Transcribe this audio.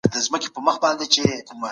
د سړي نیت ډېر پاک او سپېڅلی و.